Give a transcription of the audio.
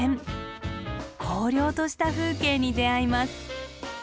荒涼とした風景に出会います。